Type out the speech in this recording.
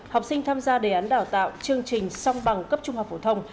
học sinh tham gia đề án đào tạo chương trình song bằng cấp trung học phổ thông